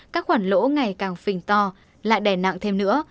các khoản lỗ ngày càng phình to lại đè nặng thêm nữa